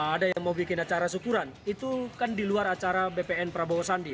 ada yang mau bikin acara syukuran itu kan di luar acara bpn prabowo sandi